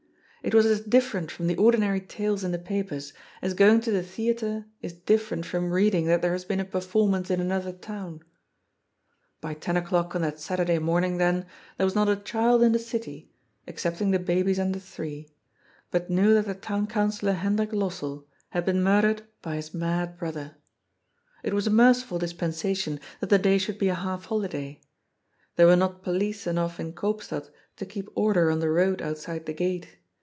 It was as different from the ordinary tales in the papers, as going to the theatre is dif ferent from reading that there has been a performance in another town. By ten o'clock on that Saturday morning, then, there was not a child in the city — excepting the babies under three — ^but knew that the Town Councillor Hendrik Los sell had been murdered by his mad brother. It was a mer ciful dispensation that the day should be a half holiday. There were not police enough in Koopstad to keep order on the road outside the gate.